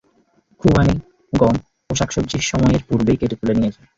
খুবানী, গম ও সকল শাক-সবজি সময়ের পূর্বেই কেটে তুলে নিয়ে যায়।